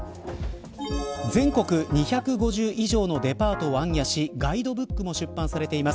全国２５０以上のデパートを行脚しガイドブックも出版されています